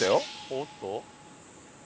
おっと？